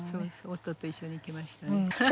夫と一緒に行きました。